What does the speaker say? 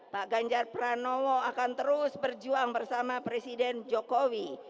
pak ganjar pranowo akan terus berjuang bersama presiden jokowi